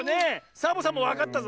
サボさんもわかったぞ。